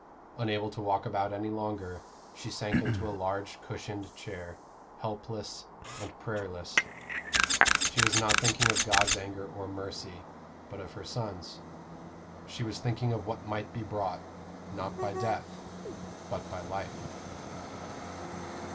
Unable to walk about any longer, she sank into a large cushioned chair, helpless and prayerless. She was not thinking of God's anger or mercy, but of her son's. She was thinking of what might be brought, not by death, but by life.